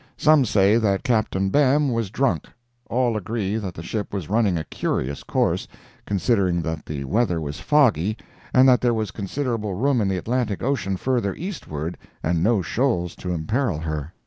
Some say that Captain Behm was drunk; all agree that the ship was running a curious course, considering that the weather was foggy, and that there was considerable room in the Atlantic Ocean further eastward and no shoals to imperil her.